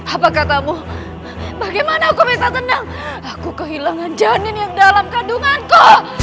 apa katamu bagaimana aku minta tenang aku kehilangan janin yang dalam kandunganku